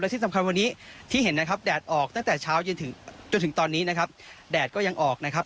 ที่สำคัญวันนี้ที่เห็นนะครับแดดออกตั้งแต่เช้าเย็นถึงจนถึงตอนนี้นะครับแดดก็ยังออกนะครับ